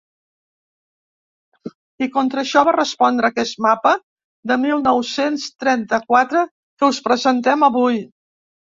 I contra això va respondre aquest mapa del mil nou-cents trenta-quatre que us presentem avui.